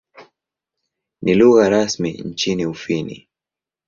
Ni lugha rasmi nchini Ufini.